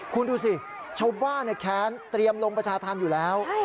คุณดูสิชาวบ้านแค้นเตรียมลงประชาธรรมอยู่แล้ว